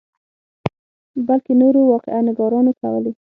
بلکې نورو واقعه نګارانو کولې.